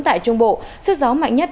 tại trung bộ sức gió mạnh nhất